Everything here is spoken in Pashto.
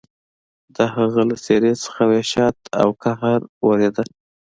د هغه له څېرې څخه وحشت او قهر ورېده.